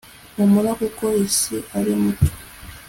humura, kuko isi ari muto